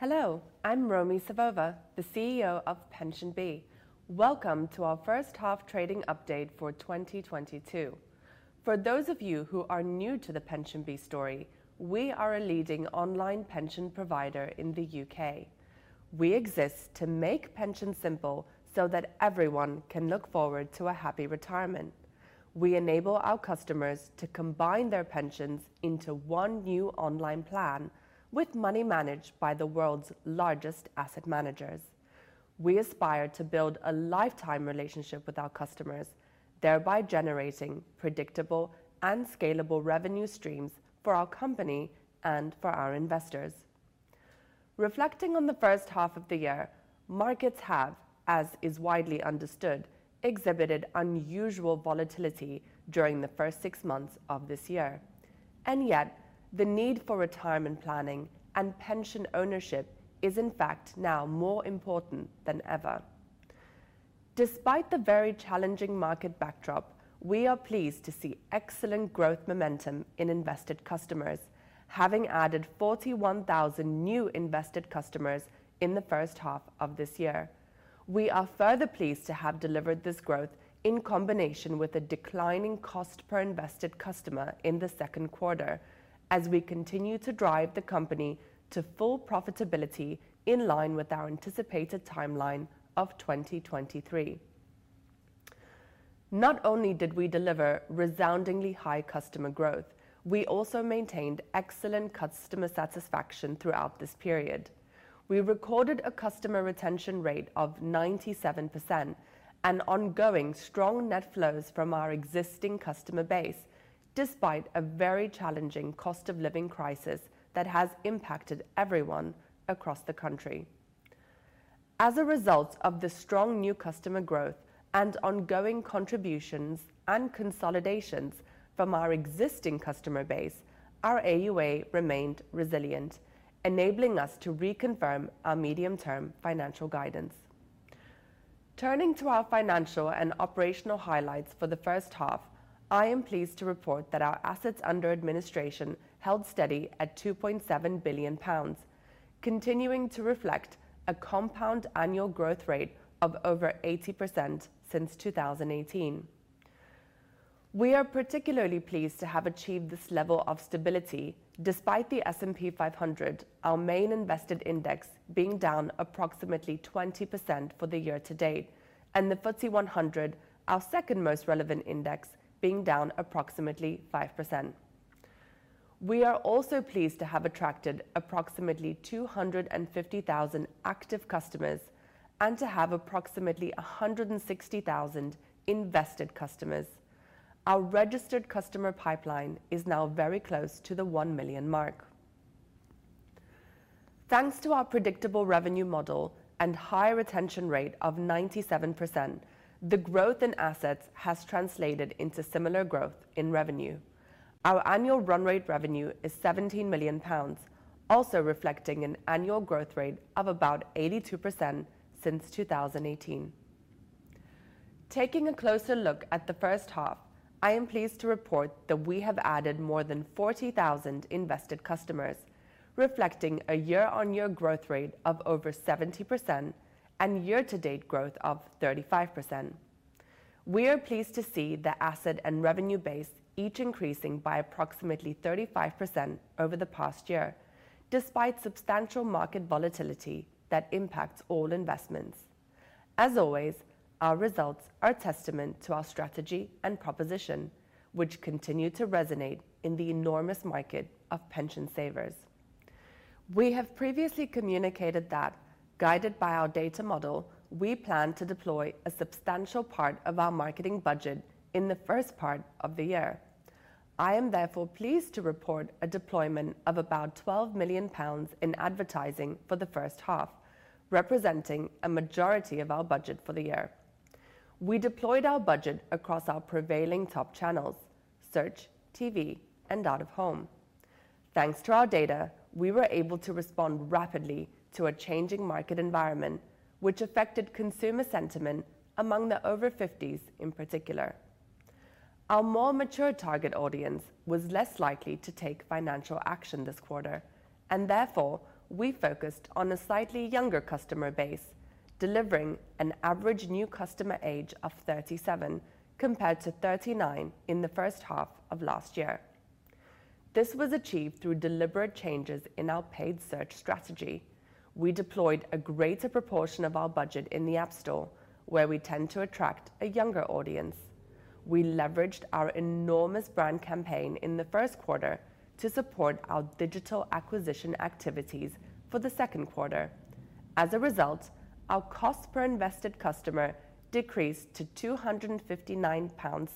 Hello, I'm Romi Savova, the CEO of PensionBee. Welcome to our first half trading update for 2022. For those of you who are new to the PensionBee story, we are a leading online pension provider in the U.K. We exist to make pensions simple so that everyone can look forward to a happy retirement. We enable our customers to combine their pensions into one new online plan with money managed by the world's largest asset managers. We aspire to build a lifetime relationship with our customers, thereby generating predictable and scalable revenue streams for our company and for our investors. Reflecting on the first half of the year, markets have, as is widely understood, exhibited unusual volatility during the first six months of this year. The need for retirement planning and pension ownership is in fact now more important than ever. Despite the very challenging market backdrop, we are pleased to see excellent growth momentum in invested customers, having added 41,000 new invested customers in the first half of this year. We are further pleased to have delivered this growth in combination with a declining cost per invested customer in the second quarter, as we continue to drive the company to full profitability in line with our anticipated timeline of 2023. Not only did we deliver resoundingly high customer growth, we also maintained excellent customer satisfaction throughout this period. We recorded a customer retention rate of 97% and ongoing strong net flows from our existing customer base, despite a very challenging cost of living crisis that has impacted everyone across the country. As a result of the strong new customer growth and ongoing contributions and consolidations from our existing customer base, our AUA remained resilient, enabling us to reconfirm our medium-term financial guidance. Turning to our financial and operational highlights for the first half, I am pleased to report that our assets under administration held steady at 2.7 billion pounds, continuing to reflect a compound annual growth rate of over 80% since 2018. We are particularly pleased to have achieved this level of stability despite the S&P 500, our main invested index, being down approximately 20% for the year to date, and the FTSE 100, our second most relevant index, being down approximately 5%. We are also pleased to have attracted approximately 250,000 active customers and to have approximately 160,000 invested customers. Our registered customer pipeline is now very close to the one million mark. Thanks to our predictable revenue model and high retention rate of 97%, the growth in assets has translated into similar growth in revenue. Our annual run rate revenue is 17 million pounds, also reflecting an annual growth rate of about 82% since 2018. Taking a closer look at the first half, I am pleased to report that we have added more than 40,000 invested customers, reflecting a year-over-year growth rate of over 70% and year-to-date growth of 35%. We are pleased to see the asset and revenue base each increasing by approximately 35% over the past year, despite substantial market volatility that impacts all investments. Our results are a testament to our strategy and proposition, which continue to resonate in the enormous market of pension savers. We have previously communicated that, guided by our data model, we plan to deploy a substantial part of our marketing budget in the first part of the year. I am therefore pleased to report a deployment of about 12 million pounds in advertising for the first half, representing a majority of our budget for the year. We deployed our budget across our prevailing top channels, search, TV, and out-of-home. Thanks to our data, we were able to respond rapidly to a changing market environment, which affected consumer sentiment among the over fifties in particular. Our more mature target audience was less likely to take financial action this quarter, and therefore we focused on a slightly younger customer base, delivering an average new customer age of 37 compared to 39 in the first half of last year. This was achieved through deliberate changes in our paid search strategy. We deployed a greater proportion of our budget in the App Store, where we tend to attract a younger audience. We leveraged our enormous brand campaign in the first quarter to support our digital acquisition activities for the second quarter. As a result, our cost per invested customer decreased to 259.60 pounds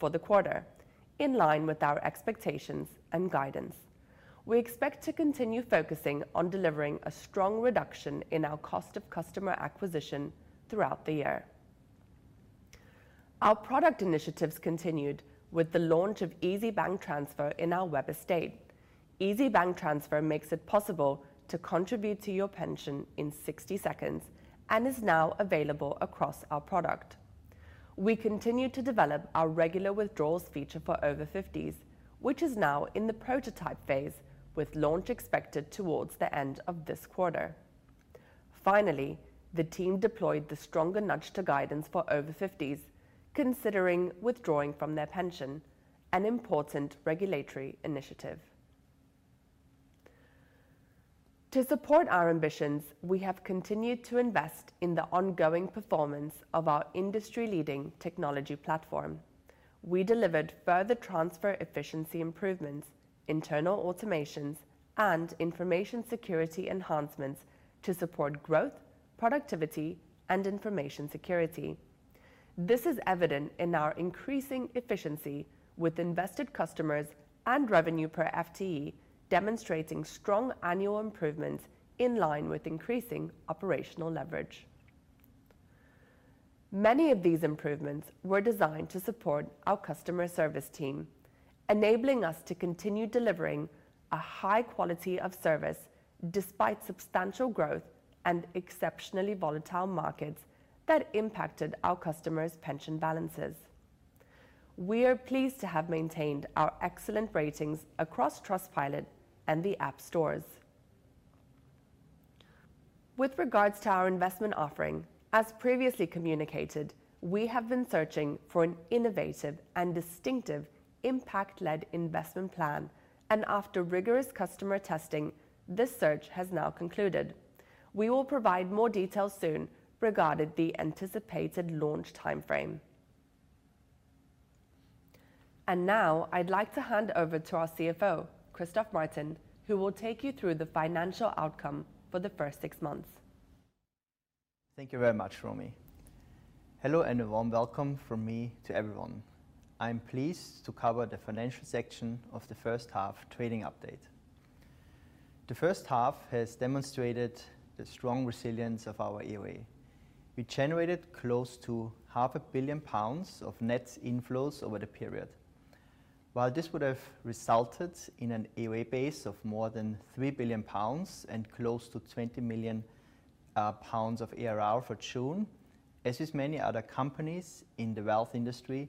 for the quarter, in line with our expectations and guidance. We expect to continue focusing on delivering a strong reduction in our cost of customer acquisition throughout the year. Our product initiatives continued with the launch of Easy bank transfer in our web estate. Easy bank transfer makes it possible to contribute to your pension in 60 seconds and is now available across our product. We continue to develop our regular withdrawals feature for over fifties, which is now in the prototype phase with launch expected towards the end of this quarter. Finally, the team deployed the Stronger Nudge to guidance for over 50s considering withdrawing from their pension, an important regulatory initiative. To support our ambitions, we have continued to invest in the ongoing performance of our industry-leading technology platform. We delivered further transfer efficiency improvements, internal automations, and information security enhancements to support growth, productivity, and information security. This is evident in our increasing efficiency with invested customers and revenue per FTE, demonstrating strong annual improvements in line with increasing operational leverage. Many of these improvements were designed to support our customer service team, enabling us to continue delivering a high quality of service despite substantial growth and exceptionally volatile markets that impacted our customers' pension balances. We are pleased to have maintained our excellent ratings across Trustpilot and the app stores. With regards to our investment offering, as previously communicated, we have been searching for an innovative and distinctive impact-led investment plan, and after rigorous customer testing, this search has now concluded. We will provide more details soon regarding the anticipated launch timeframe. Now I'd like to hand over to our CFO, Christoph Martin, who will take you through the financial outcome for the first six months. Thank you very much, Romi. Hello, and a warm welcome from me to everyone. I'm pleased to cover the financial section of the first half trading update. The first half has demonstrated the strong resilience of our AUA. We generated close to 500 million pounds of net inflows over the period. While this would have resulted in an AUA base of more than 3 billion pounds and close to 20 million pounds of ARR for June, as with many other companies in the wealth industry,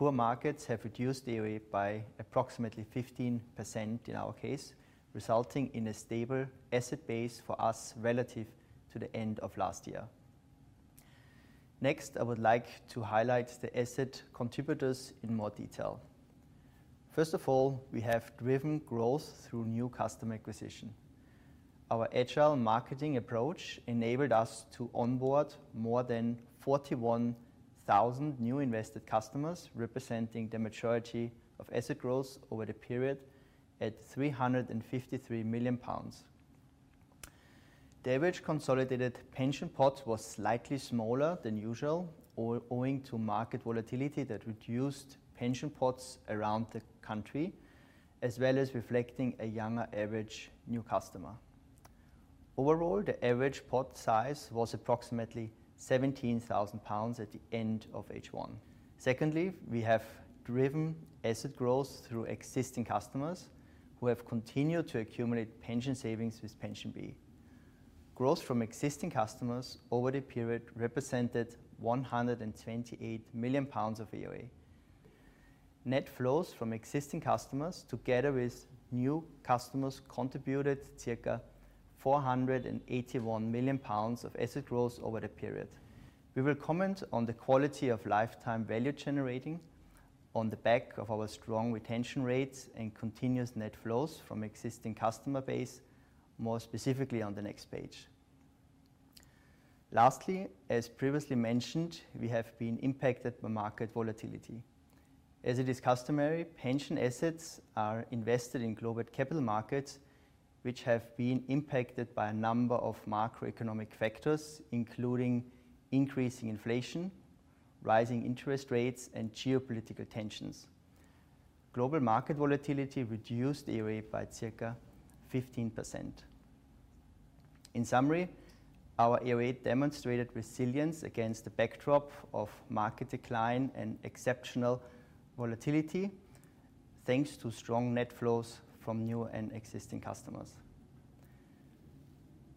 poor markets have reduced AUA by approximately 15% in our case, resulting in a stable asset base for us relative to the end of last year. Next, I would like to highlight the asset contributors in more detail. First of all, we have driven growth through new customer acquisition. Our agile marketing approach enabled us to onboard more than 41,000 new invested customers, representing the majority of asset growth over the period at 353 million pounds. The average consolidated pension pot was slightly smaller than usual, owing to market volatility that reduced pension pots around the country, as well as reflecting a younger average new customer. Overall, the average pot size was approximately 17,000 pounds at the end of H1. Secondly, we have driven asset growth through existing customers who have continued to accumulate pension savings with PensionBee. Growth from existing customers over the period represented 128 million pounds of AUA. Net flows from existing customers together with new customers contributed circa 481 million pounds of asset growth over the period. We will comment on the quality of lifetime value generating on the back of our strong retention rates and continuous net flows from existing customer base, more specifically on the next page. Lastly, as previously mentioned, we have been impacted by market volatility. As it is customary, pension assets are invested in global capital markets, which have been impacted by a number of macroeconomic factors, including increasing inflation, rising interest rates, and geopolitical tensions. Global market volatility reduced AUA by circa 15%. In summary, our AUA demonstrated resilience against the backdrop of market decline and exceptional volatility, thanks to strong net flows from new and existing customers.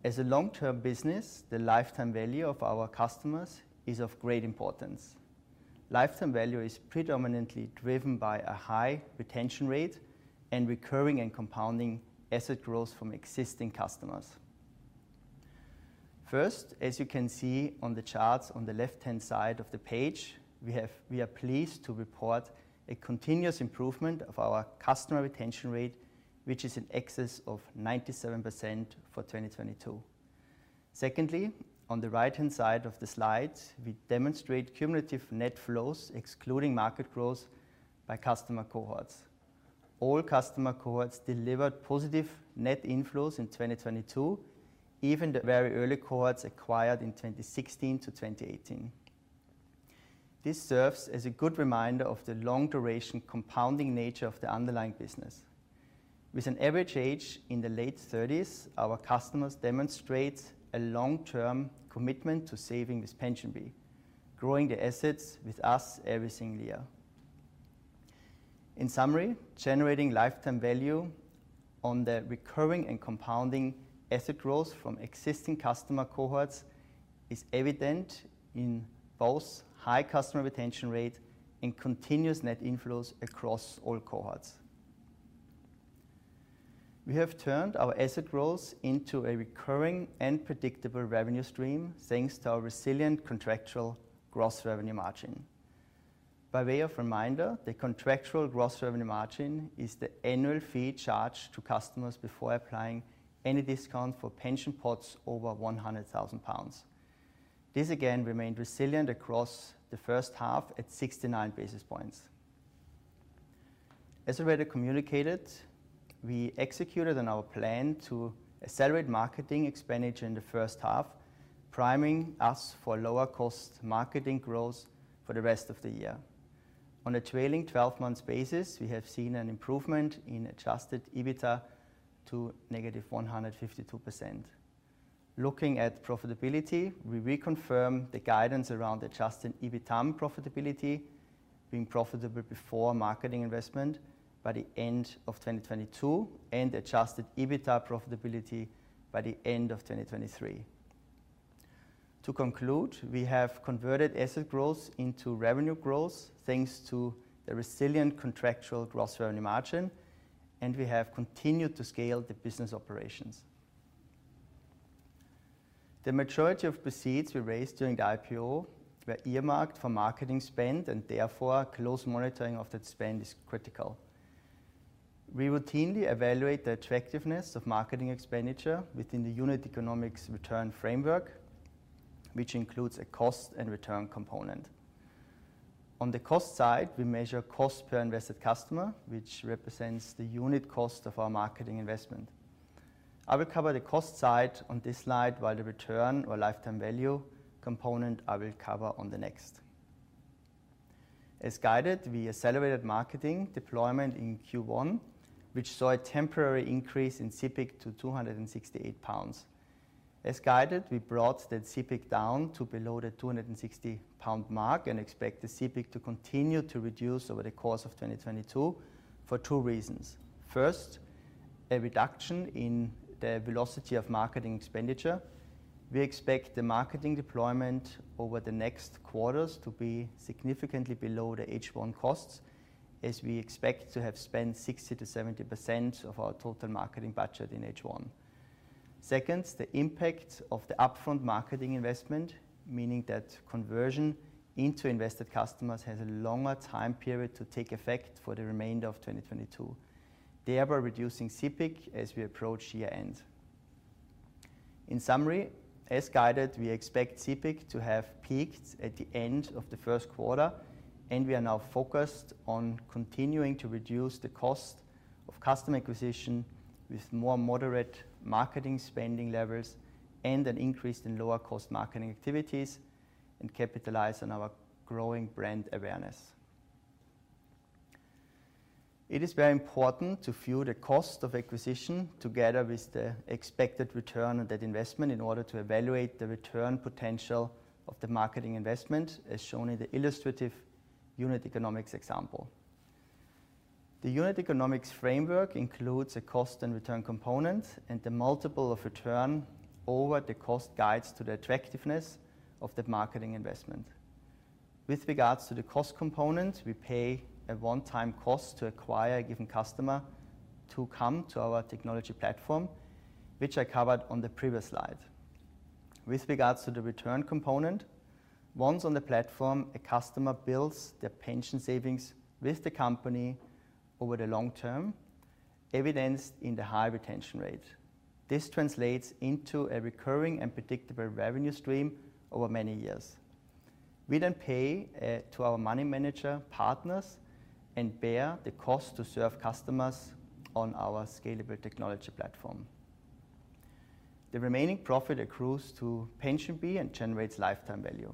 As a long-term business, the lifetime value of our customers is of great importance. Lifetime value is predominantly driven by a high retention rate and recurring and compounding asset growth from existing customers. First, as you can see on the charts on the left-hand side of the page, we are pleased to report a continuous improvement of our customer retention rate, which is in excess of 97% for 2022. Secondly, on the right-hand side of the slide, we demonstrate cumulative net flows, excluding market growth, by customer cohorts. All customer cohorts delivered positive net inflows in 2022, even the very early cohorts acquired in 2016 to 2018. This serves as a good reminder of the long duration compounding nature of the underlying business. With an average age in the late 30s, our customers demonstrate a long-term commitment to saving with PensionBee, growing their assets with us every single year. In summary, generating lifetime value on the recurring and compounding asset growth from existing customer cohorts is evident in both high customer retention rate and continuous net inflows across all cohorts. We have turned our asset growth into a recurring and predictable revenue stream, thanks to our resilient contractual gross revenue margin. By way of reminder, the contractual gross revenue margin is the annual fee charged to customers before applying any discount for pension pots over 100,000 pounds. This again remained resilient across the first half at 69 basis points. As already communicated, we executed on our plan to accelerate marketing expenditure in the first half, priming us for lower cost marketing growth for the rest of the year. On a trailing twelve months basis, we have seen an improvement in Adjusted EBITDA to negative 152%. Looking at profitability, we reconfirm the guidance around Adjusted EBITDAM profitability being profitable before marketing investment by the end of 2022 and Adjusted EBITDA profitability by the end of 2023. To conclude, we have converted asset growth into revenue growth thanks to the resilient contractual gross revenue margin, and we have continued to scale the business operations. The majority of proceeds we raised during the IPO were earmarked for marketing spend and therefore close monitoring of that spend is critical. We routinely evaluate the attractiveness of marketing expenditure within the unit economics return framework, which includes a cost and return component. On the cost side, we measure cost per invested customer, which represents the unit cost of our marketing investment. I will cover the cost side on this slide, while the return or lifetime value component I will cover on the next. As guided, we accelerated marketing deployment in Q1, which saw a temporary increase in CPIC to 268 pounds. As guided, we brought that CPIC down to below the 260 pound mark and expect the CPIC to continue to reduce over the course of 2022 for two reasons. First, a reduction in the velocity of marketing expenditure. We expect the marketing deployment over the next quarters to be significantly below the H1 costs as we expect to have spent 60%-70% of our total marketing budget in H1. Second, the impact of the upfront marketing investment, meaning that conversion into invested customers has a longer time period to take effect for the remainder of 2022, thereby reducing CPIC as we approach year-end. In summary, as guided, we expect CPIC to have peaked at the end of the first quarter, and we are now focused on continuing to reduce the cost of customer acquisition with more moderate marketing spending levels and an increase in lower cost marketing activities and capitalize on our growing brand awareness. It is very important to view the cost of acquisition together with the expected return on that investment in order to evaluate the return potential of the marketing investment, as shown in the illustrative unit economics example. The unit economics framework includes a cost and return component and the multiple of return over the cost guides to the attractiveness of that marketing investment. With regards to the cost component, we pay a one-time cost to acquire a given customer to come to our technology platform, which I covered on the previous slide. With regards to the return component, once on the platform, a customer builds their pension savings with the company over the long term, evidenced in the high retention rate. This translates into a recurring and predictable revenue stream over many years. We then pay to our money manager partners and bear the cost to serve customers on our scalable technology platform. The remaining profit accrues to PensionBee and generates lifetime value.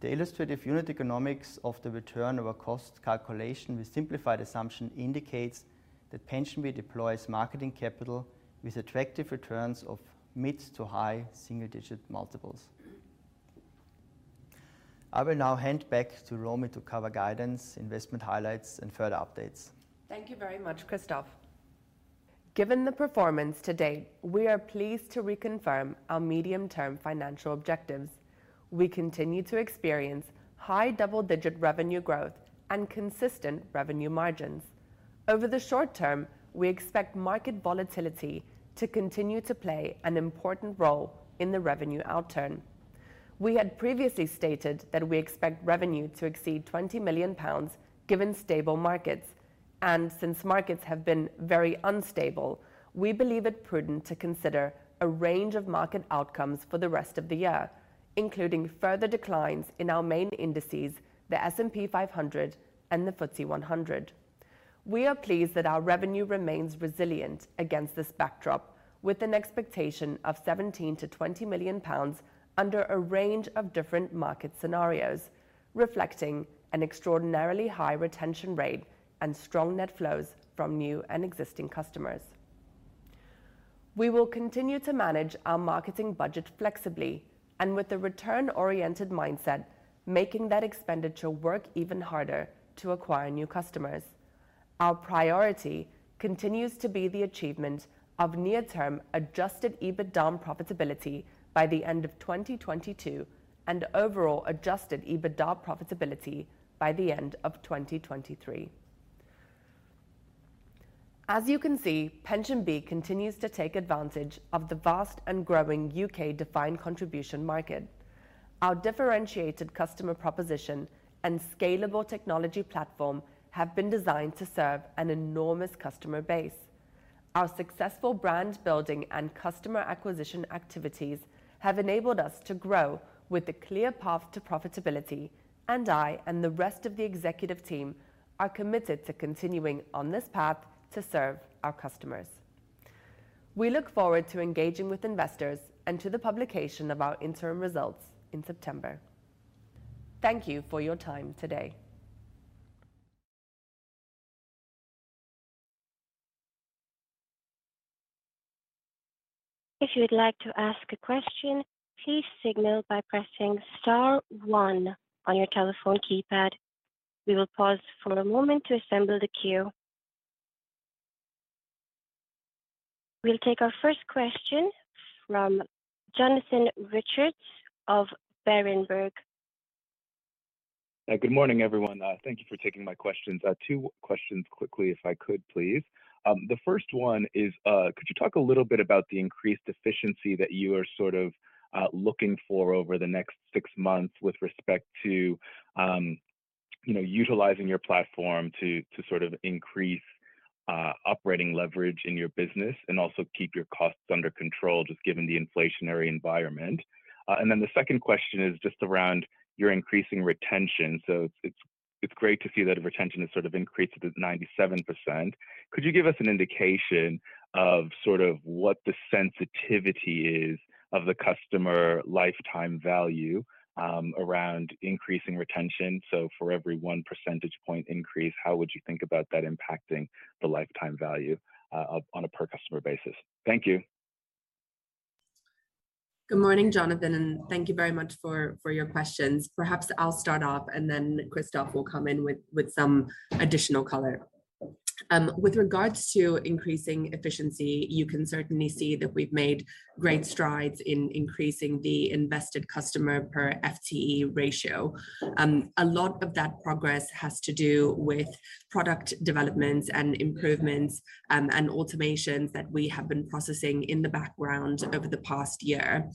The illustrative unit economics of the return over cost calculation with simplified assumption indicates that PensionBee deploys marketing capital with attractive returns of mid- to high-single-digit multiples. I will now hand back to Romi to cover guidance, investment highlights and further updates. Thank you very much, Christoph. Given the performance to date, we are pleased to reconfirm our medium-term financial objectives. We continue to experience high double-digit revenue growth and consistent revenue margins. Over the short term, we expect market volatility to continue to play an important role in the revenue outturn. We had previously stated that we expect revenue to exceed 20 million pounds given stable markets. Since markets have been very unstable, we believe it prudent to consider a range of market outcomes for the rest of the year, including further declines in our main indices, the S&P 500 and the FTSE 100. We are pleased that our revenue remains resilient against this backdrop with an expectation of 17 million-20 million pounds under a range of different market scenarios, reflecting an extraordinarily high retention rate and strong net flows from new and existing customers. We will continue to manage our marketing budget flexibly and with the return-oriented mindset, making that expenditure work even harder to acquire new customers. Our priority continues to be the achievement of near-term Adjusted EBITDAM profitability by the end of 2022 and overall Adjusted EBITDA profitability by the end of 2023. As you can see, PensionBee continues to take advantage of the vast and growing U.K. defined contribution market. Our differentiated customer proposition and scalable technology platform have been designed to serve an enormous customer base. Our successful brand building and customer acquisition activities have enabled us to grow with a clear path to profitability. I and the rest of the executive team are committed to continuing on this path to serve our customers. We look forward to engaging with investors and to the publication of our interim results in September. Thank you for your time today. If you would like to ask a question, please signal by pressing star one on your telephone keypad. We will pause for a moment to assemble the queue. We'll take our first question from Jonathan Richards of Berenberg. Good morning, everyone. Thank you for taking my questions. Two questions quickly if I could please. The first one is, could you talk a little bit about the increased efficiency that you are sort of looking for over the next six months with respect to, you know, utilizing your platform to sort of increase operating leverage in your business and also keep your costs under control, just given the inflationary environment? The second question is just around your increasing retention. It's great to see that retention has sort of increased to this 97%. Could you give us an indication of sort of what the sensitivity is of the customer lifetime value around increasing retention? For every 1 percentage point increase, how would you think about that impacting the lifetime value, on a per customer basis? Thank you. Good morning, Jonathan, and thank you very much for your questions. Perhaps I'll start off and then Christoph will come in with some additional color. With regards to increasing efficiency, you can certainly see that we've made great strides in increasing the invested customer per FTE ratio. A lot of that progress has to do with product developments and improvements, and automations that we have been processing in the background over the past year.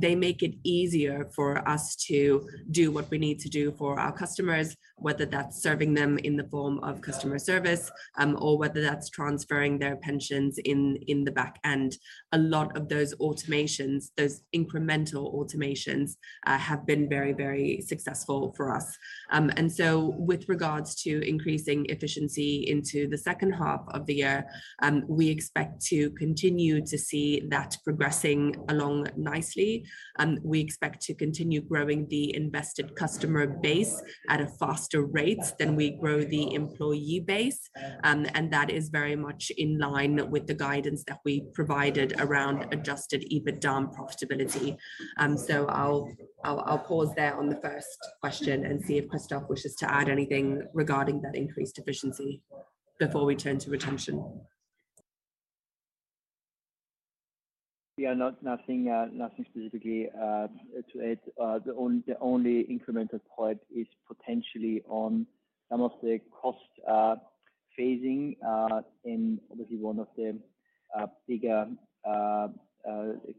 They make it easier for us to do what we need to do for our customers, whether that's serving them in the form of customer service, or whether that's transferring their pensions in the back end. A lot of those automations, those incremental automations, have been very successful for us. With regards to increasing efficiency into the second half of the year, we expect to continue to see that progressing along nicely. We expect to continue growing the invested customer base at a faster rate than we grow the employee base. That is very much in line with the guidance that we provided around Adjusted EBITDAM profitability. I'll pause there on the first question and see if Christoph wishes to add anything regarding that increased efficiency before we turn to retention. Yeah. Nothing specifically to add. The only incremental point is potentially on some of the cost phasing in obviously one of the bigger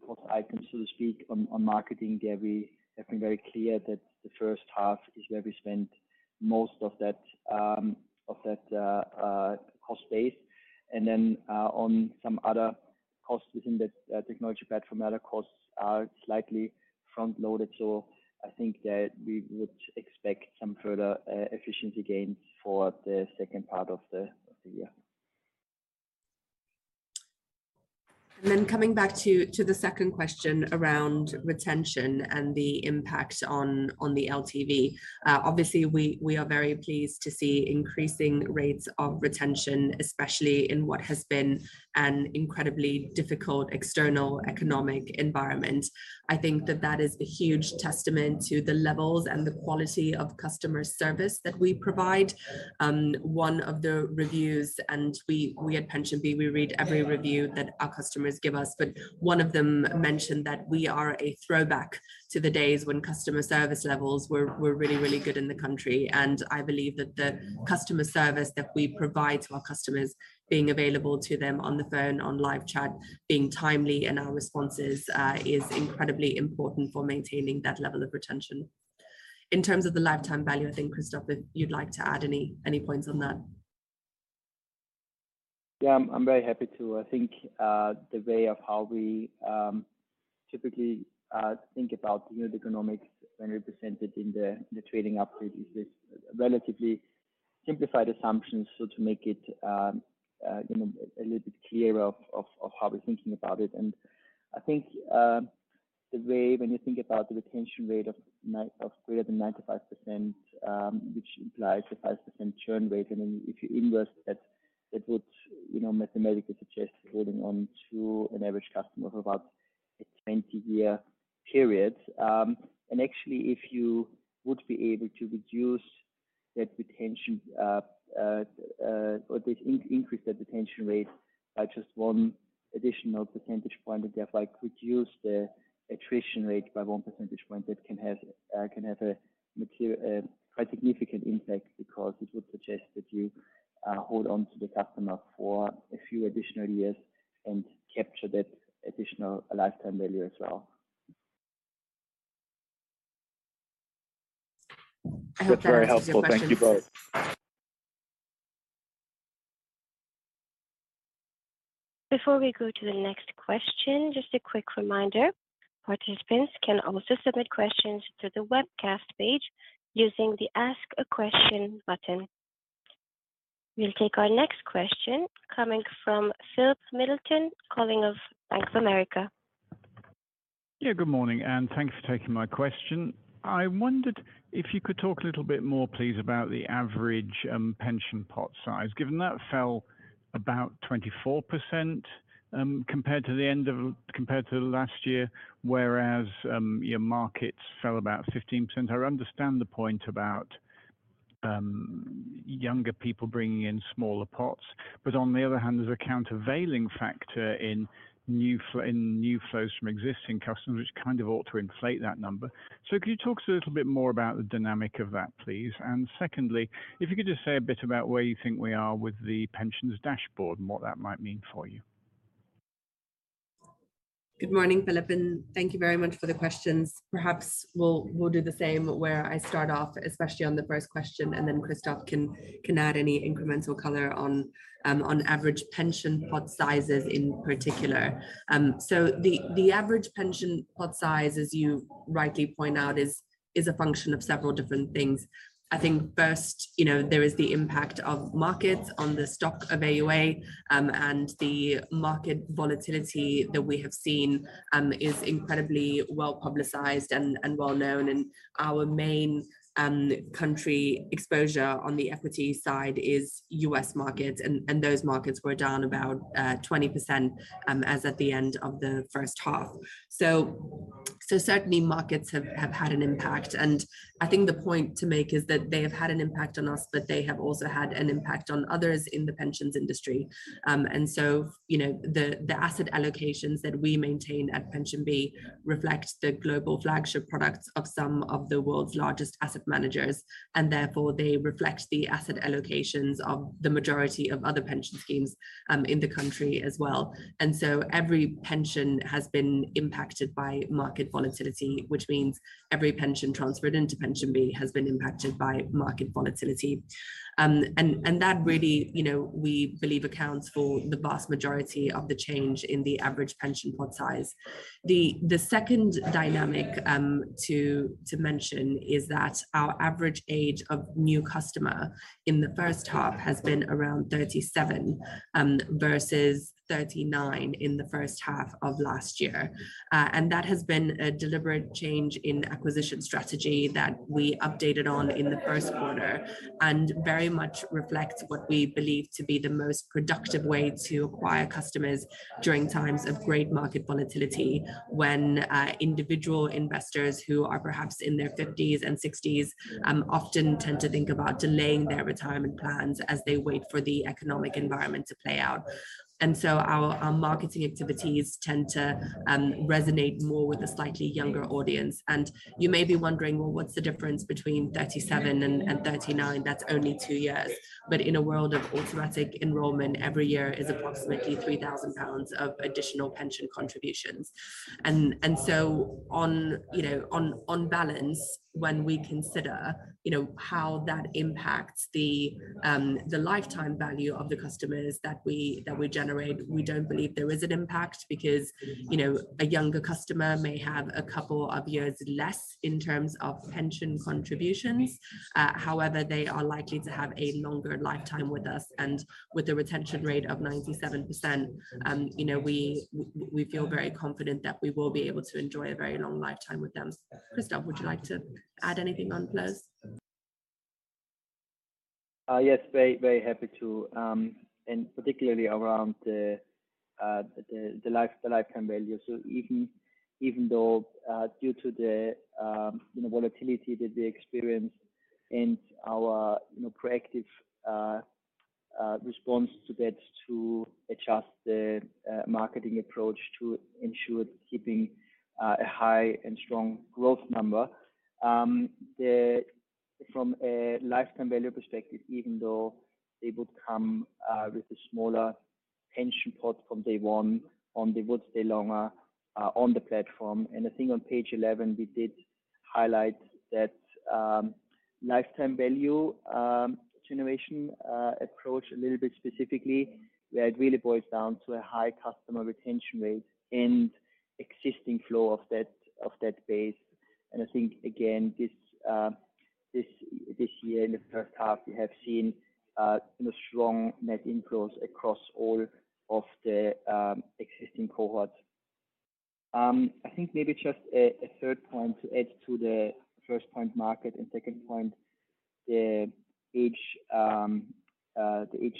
cost items, so to speak, on marketing. There we have been very clear that the first half is where we spent most of that cost base. Then, on some other costs within the technology platform, other costs are slightly front-loaded. I think that we would expect some further efficiency gains for the second part of the year. Coming back to the second question around retention and the impact on the LTV. Obviously, we are very pleased to see increasing rates of retention, especially in what has been an incredibly difficult external economic environment. I think that is a huge testament to the levels and the quality of customer service that we provide. One of the reviews, and we at PensionBee, we read every review that our customers give us, but one of them mentioned that we are a throwback to the days when customer service levels were really good in the country. I believe that the customer service that we provide to our customers, being available to them on the phone, on live chat, being timely in our responses, is incredibly important for maintaining that level of retention. In terms of the lifetime value, I think, Christoph, if you'd like to add any points on that. Yeah. I'm very happy to. I think the way of how we typically think about unit economics when represented in the trading update is this relatively simplified assumptions. To make it you know a little bit clearer of how we're thinking about it. I think the way when you think about the retention rate of greater than 95%, which implies a 5% churn rate. Then if you inverse that that would you know mathematically suggest holding on to an average customer for about a 20-year period. Actually if you would be able to reduce that retention This increase that retention rate by just one additional percentage point, and therefore reduce the attrition rate by 1 percentage point, that can have a material, a quite significant impact because it would suggest that you hold on to the customer for a few additional years and capture that additional lifetime value as well. I hope that answers your question. That's very helpful. Thank you both. Before we go to the next question, just a quick reminder. Participants can also submit questions through the webcast page using the ask a question button. We'll take our next question coming from Philip Middleton, calling from Bank of America. Yeah. Good morning, Anne. Thanks for taking my question. I wondered if you could talk a little bit more, please, about the average pension pot size, given that fell about 24%, compared to last year, whereas your markets fell about 15%. I understand the point about younger people bringing in smaller pots. On the other hand, there's a countervailing factor in new flows from existing customers, which kind of ought to inflate that number. Could you talk to us a little bit more about the dynamic of that, please? And secondly, if you could just say a bit about where you think we are with the pensions dashboard and what that might mean for you. Good morning, Philip, and thank you very much for the questions. Perhaps we'll do the same where I start off, especially on the first question, and then Christoph can add any incremental color on average pension pot sizes in particular. The average pension pot size, as you rightly point out, is a function of several different things. I think first, you know, there is the impact of markets on the stock of AUA, and the market volatility that we have seen is incredibly well-publicized and well-known. Our main country exposure on the equity side is U.S. markets, and those markets were down about 20% as at the end of the first half. Certainly markets have had an impact. I think the point to make is that they have had an impact on us, but they have also had an impact on others in the pensions industry. You know, the asset allocations that we maintain at PensionBee reflect the global flagship products of some of the world's largest asset managers, and therefore they reflect the asset allocations of the majority of other pension schemes in the country as well. Every pension has been impacted by market volatility, which means every pension transferred into PensionBee has been impacted by market volatility. That really, you know, we believe accounts for the vast majority of the change in the average pension pot size. The second dynamic to mention is that our average age of new customer in the first half has been around 37 versus 39 in the first half of last year. That has been a deliberate change in acquisition strategy that we updated on in the first quarter and very much reflects what we believe to be the most productive way to acquire customers during times of great market volatility when individual investors who are perhaps in their fifties and sixties often tend to think about delaying their retirement plans as they wait for the economic environment to play out. Our marketing activities tend to resonate more with a slightly younger audience. You may be wondering, well, what's the difference between 37 and 39? That's only two years. In a world of automatic enrolment, every year is approximately 3,000 pounds of additional pension contributions. You know, on balance, when we consider, you know, how that impacts the lifetime value of the customers that we generate, we don't believe there is an impact because, you know, a younger customer may have a couple of years less in terms of pension contributions. However, they are likely to have a longer lifetime with us. With a retention rate of 97%, you know, we feel very confident that we will be able to enjoy a very long lifetime with them. Christoph, would you like to add anything on Plus? Yes, very, very happy to. Particularly around the lifetime value. Even though due to the you know volatility that we experience and our you know proactive response to that to adjust the marketing approach to ensure keeping a high and strong growth number. From a lifetime value perspective, even though they would come with a smaller pension pot from day one, they would stay longer on the platform. I think on page 11, we did highlight that lifetime value generation approach a little bit specifically, where it really boils down to a high customer retention rate and existing flow of that base. I think, again, this year in the first half, we have seen, you know, strong net inflows across all of the existing cohorts. I think maybe just a third point to add to the first point market and second point, the age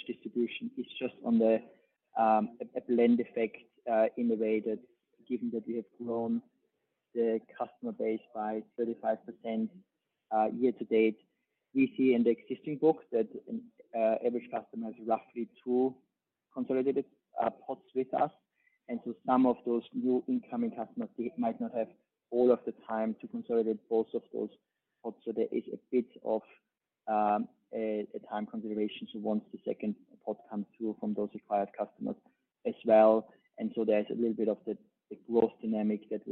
distribution is just on a blend effect, in a way that given that we have grown the customer base by 35%, year to date, we see in the existing books that average customer has roughly two consolidated pots with us. Some of those new incoming customers, they might not have all of the time to consolidate both of those pots. There is a bit of a time consideration to once the second pot comes through from those acquired customers as well. There's a little bit of the growth dynamic that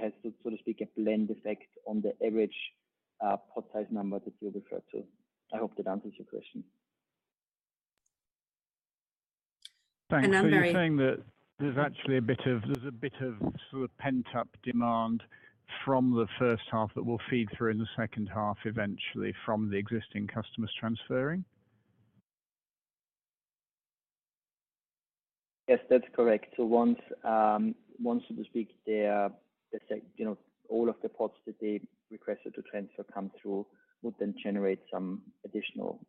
has to so to speak, a blend effect on the average pot size number that you referred to. I hope that answers your question. Thanks. And I'm very- You're saying that there's actually a bit of sort of pent-up demand from the first half that will feed through in the second half eventually from the existing customers transferring? Yes, that's correct. Once so to speak, their, let's say, you know, all of the pots that they requested to transfer come through, would then generate some additional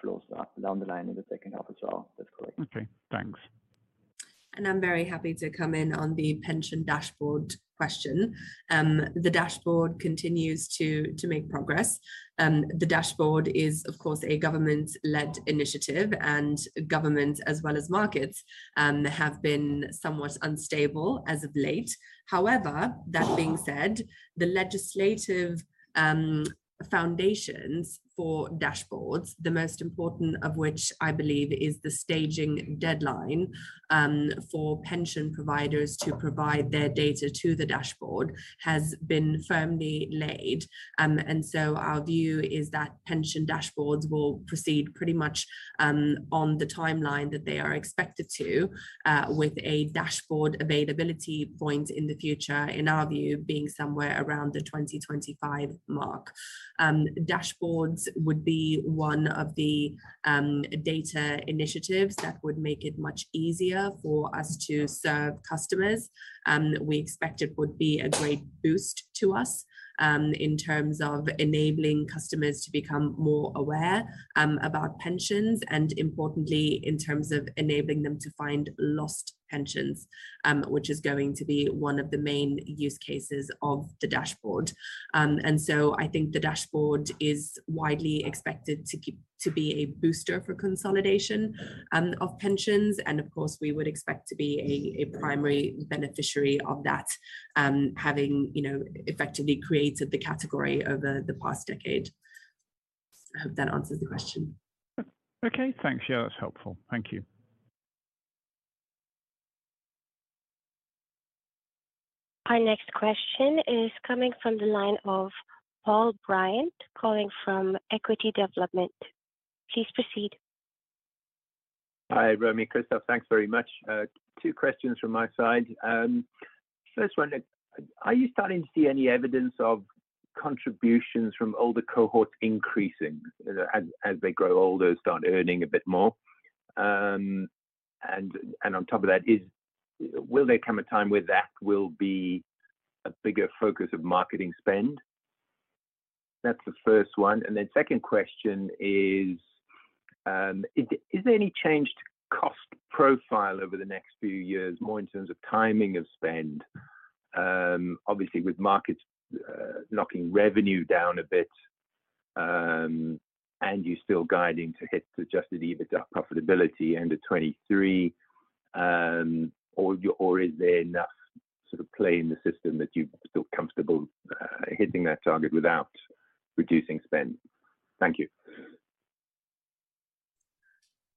flows down the line in the second half as well. That's correct. Okay, thanks. I'm very happy to come in on the Pension Dashboard question. The dashboard continues to make progress. The dashboard is of course a government-led initiative and government as well as markets have been somewhat unstable as of late. However, that being said, the legislative foundations for dashboards, the most important of which I believe is the staging deadline, for pension providers to provide their data to the dashboard has been firmly laid. Our view is that Pension Dashboards will proceed pretty much on the timeline that they are expected to, with a dashboard availability point in the future, in our view, being somewhere around the 2025 mark. Dashboards would be one of the data initiatives that would make it much easier for us to serve customers. We expect it would be a great boost to us, in terms of enabling customers to become more aware about pensions and importantly in terms of enabling them to find lost pensions, which is going to be one of the main use cases of the dashboard. I think the dashboard is widely expected to be a booster for consolidation of pensions and of course, we would expect to be a primary beneficiary of that, having you know, effectively created the category over the past decade. I hope that answers the question. Okay, thanks. Yeah, that's helpful. Thank you. Our next question is coming from the line of Paul Bryant, calling from Equity Development. Please proceed. Hi, Romi, Christoph, thanks very much. Two questions from my side. First one, are you starting to see any evidence of contributions from older cohorts increasing as they grow older, start earning a bit more? On top of that, will there come a time where that will be a bigger focus of marketing spend? That's the first one. Second question is there any change to cost profile over the next few years, more in terms of timing of spend? Obviously with markets knocking revenue down a bit, and you're still guiding to hit the Adjusted EBITDA profitability end of 2023, or is there enough sort of play in the system that you feel comfortable hitting that target without reducing spend? Thank you.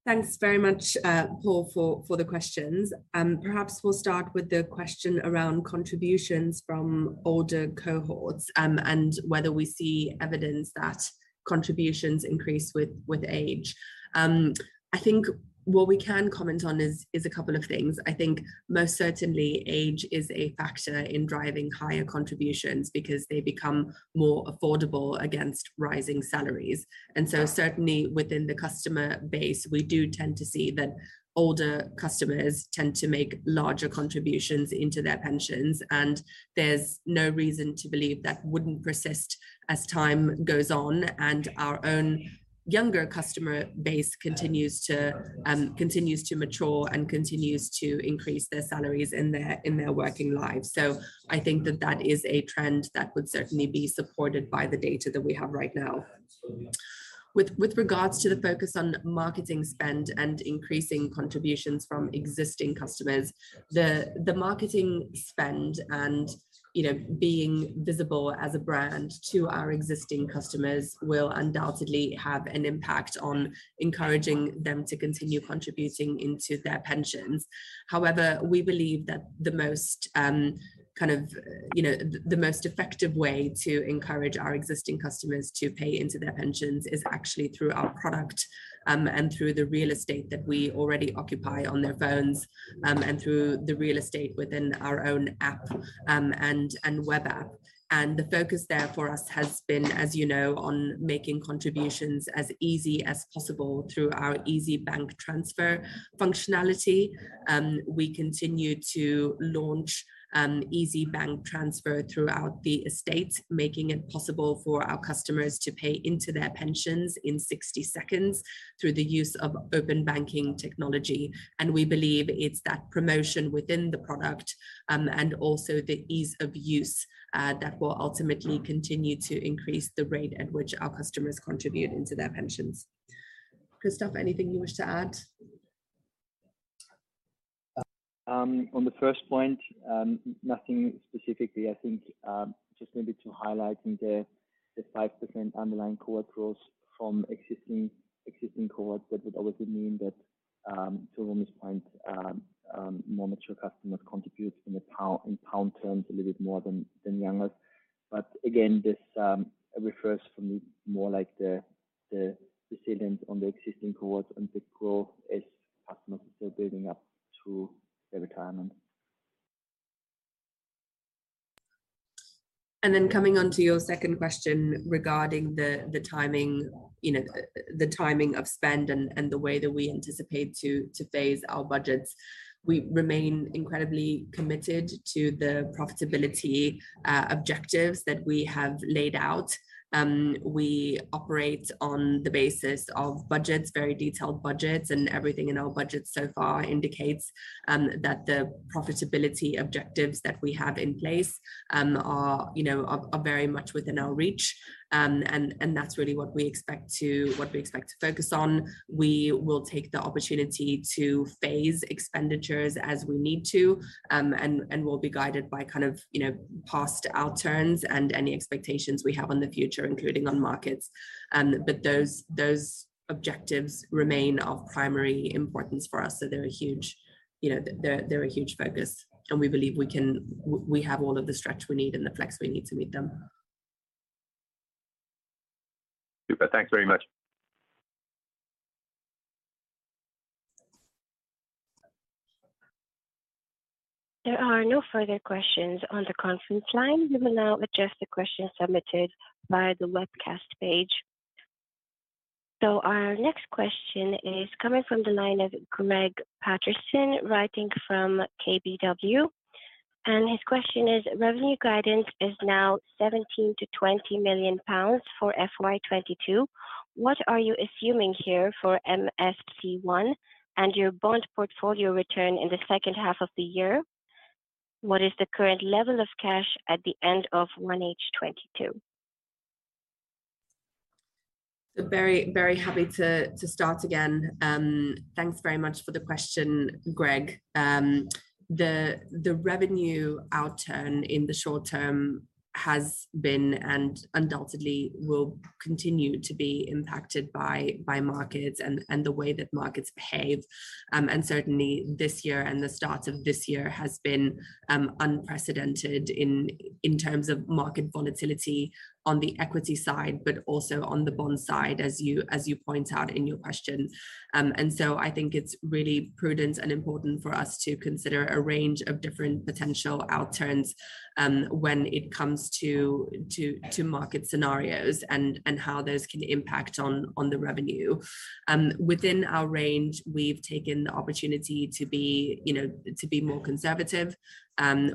Thanks very much, Paul, for the questions. Perhaps we'll start with the question around contributions from older cohorts, and whether we see evidence that contributions increase with age. I think what we can comment on is a couple of things. I think most certainly age is a factor in driving higher contributions because they become more affordable against rising salaries. Certainly within the customer base, we do tend to see that older customers tend to make larger contributions into their pensions, and there's no reason to believe that wouldn't persist as time goes on and our own younger customer base continues to mature and continues to increase their salaries in their working lives. I think that is a trend that would certainly be supported by the data that we have right now. With regards to the focus on marketing spend and increasing contributions from existing customers, the marketing spend and, you know, being visible as a brand to our existing customers will undoubtedly have an impact on encouraging them to continue contributing into their pensions. However, we believe that the most effective way to encourage our existing customers to pay into their pensions is actually through our product and through the real estate that we already occupy on their phones and through the real estate within our own app. The focus there for us has been, as you know, on making contributions as easy as possible through our Easy bank transfer functionality. We continue to launch Easy bank transfer throughout the estate, making it possible for our customers to pay into their pensions in 60 seconds through the use of open banking technology. We believe it's that promotion within the product, and also the ease of use that will ultimately continue to increase the rate at which our customers contribute into their pensions. Christoph, anything you wish to add? On the first point, nothing specifically. I think just maybe to highlight the 5% underlying cohort growth from existing cohorts, that would obviously mean that to Romi's point, more mature customers contribute in pound terms a little bit more than younger. But again, this refers for me more like the resilience on the existing cohorts and the growth as customers are still building up to their retirement. Then coming onto your second question regarding the timing, you know, the timing of spend and the way that we anticipate to phase our budgets. We remain incredibly committed to the profitability objectives that we have laid out. We operate on the basis of budgets, very detailed budgets, and everything in our budgets so far indicates that the profitability objectives that we have in place are, you know, very much within our reach. And that's really what we expect to focus on. We will take the opportunity to phase expenditures as we need to, and we'll be guided by kind of, you know, past outturns and any expectations we have on the future, including on markets. But those objectives remain of primary importance for us. They're a huge, you know, a huge focus, and we believe we have all of the stretch we need and the flex we need to meet them. Super. Thanks very much. There are no further questions on the conference line. We will now address the questions submitted via the webcast page. Our next question is coming from the line of Greig Paterson, writing from KBW. His question is, revenue guidance is now 17 million-20 million pounds for FY 2022. What are you assuming here for MSCI World and your bond portfolio return in the second half of the year? What is the current level of cash at the end of 1H 2022? Very happy to start again. Thanks very much for the question, Greig. The revenue outturn in the short term has been, and undoubtedly will continue to be impacted by markets and the way that markets behave. Certainly this year and the start of this year has been unprecedented in terms of market volatility on the equity side, but also on the bond side, as you point out in your question. I think it's really prudent and important for us to consider a range of different potential outturns when it comes to market scenarios and how those can impact on the revenue. Within our range, we've taken the opportunity to be, you know, to be more conservative.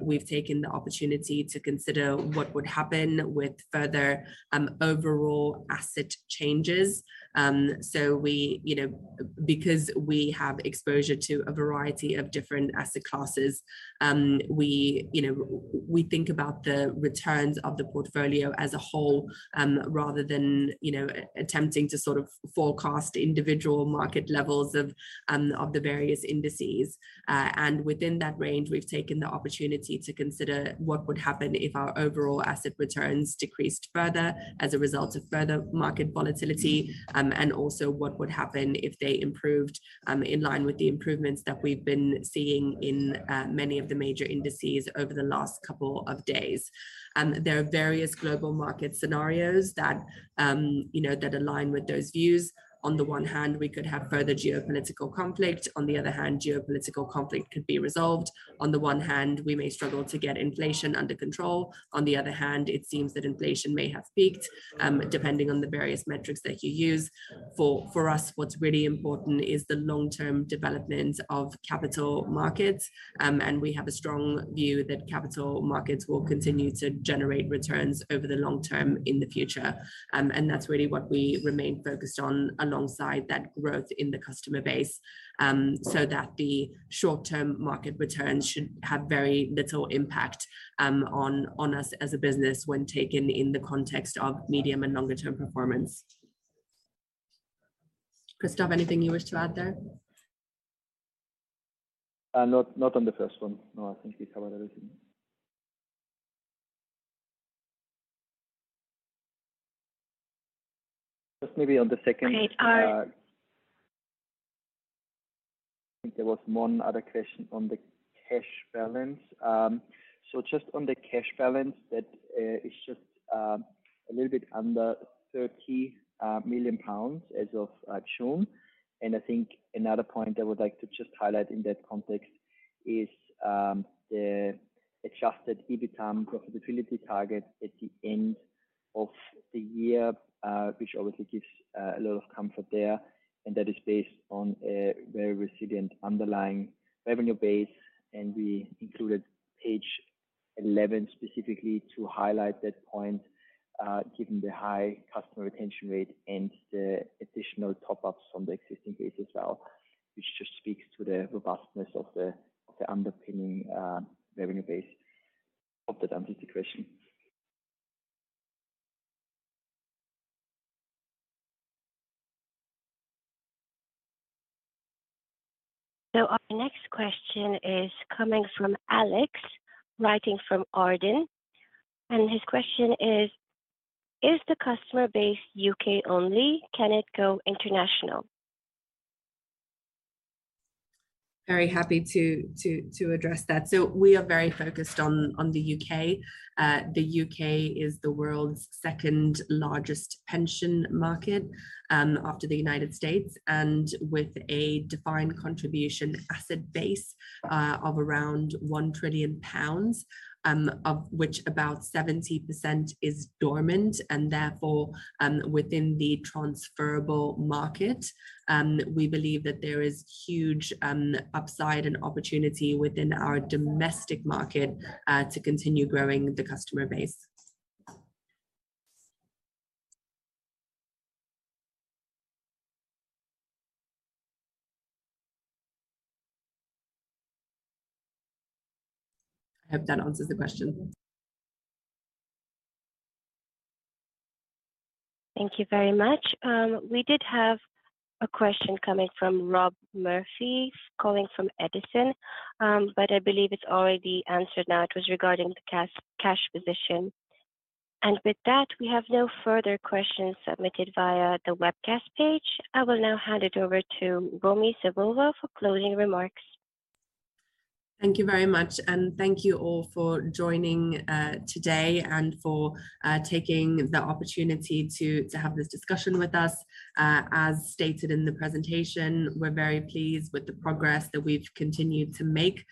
We've taken the opportunity to consider what would happen with further overall asset changes. We, you know, because we have exposure to a variety of different asset classes, we, you know, we think about the returns of the portfolio as a whole, rather than, you know, attempting to sort of forecast individual market levels of of the various indices. Within that range, we've taken the opportunity to consider what would happen if our overall asset returns decreased further as a result of further market volatility, and also what would happen if they improved, in line with the improvements that we've been seeing in many of the major indices over the last couple of days. There are various global market scenarios that, you know, that align with those views. On the one hand, we could have further geopolitical conflict. On the other hand, geopolitical conflict could be resolved. On the one hand, we may struggle to get inflation under control. On the other hand, it seems that inflation may have peaked, depending on the various metrics that you use. For us, what's really important is the long-term development of capital markets. And we have a strong view that capital markets will continue to generate returns over the long term in the future. And that's really what we remain focused on alongside that growth in the customer base, so that the short-term market returns should have very little impact on us as a business when taken in the context of medium and longer term performance. Christoph, anything you wish to add there? Not on the first one. No, I think you covered everything. Just maybe on the second. Okay. I think there was one other question on the cash balance. So just on the cash balance, it's just a little bit under 30 million pounds as of June. I think another point I would like to just highlight in that context is the Adjusted EBITDAM profitability target at the end of the year, which obviously gives a lot of comfort there, and that is based on a very resilient underlying revenue base. We included page 11 specifically to highlight that point, given the high customer retention rate and the additional top ups from the existing base as well, which just speaks to the robustness of the underpinning revenue base. Hope that answers your question. Our next question is coming from Alex, writing from Arden. His question is: Is the customer base U.K. only? Can it go international? Very happy to address that. We are very focused on the U.K. The U.K. is the world's second-largest pension market after the United States and with a defined contribution asset base of around 1 trillion pounds of which about 70% is dormant and therefore within the transferable market. We believe that there is huge upside and opportunity within our domestic market to continue growing the customer base. I hope that answers the question. Thank you very much. We did have a question coming from Rob Murphy, calling from Edison, but I believe it's already answered now. It was regarding the cash position. With that, we have no further questions submitted via the webcast page. I will now hand it over to Romi Savova for closing remarks. Thank you very much. Thank you all for joining today and for taking the opportunity to have this discussion with us. As stated in the presentation, we're very pleased with the progress that we've continued to make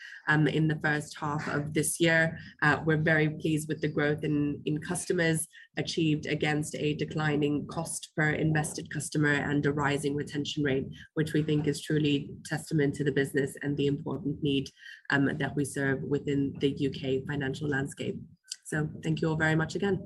in the first half of this year. We're very pleased with the growth in customers achieved against a declining cost per invested customer and a rising retention rate, which we think is truly testament to the business and the important need that we serve within the U.K. financial landscape. Thank you all very much again.